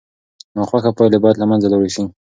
ناخوښه پایلې باید له منځه لاړې سي.